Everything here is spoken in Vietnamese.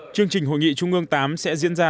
chương trình hội nghị trung ương viii sẽ diễn ra